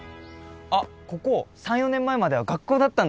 あっここ３４年前までは学校だったんだって。